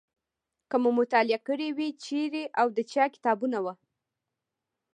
که مو مطالعه کړي وي چیرې او د چا کتابونه وو.